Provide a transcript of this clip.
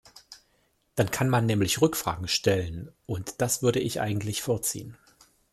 Dann kann man nämlich Rückfragen stellen, und das würde ich eigentlich vorziehen.